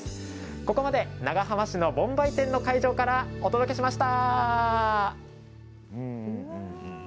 ここまで長浜市の盆梅展の会場からお届けしました。